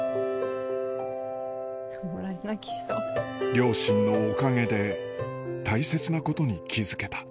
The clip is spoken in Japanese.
両親のおかげで大切なことに気付けた